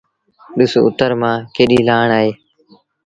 ڏس اُتر مآݩ ڪيڏيٚ لآڻ اهي۔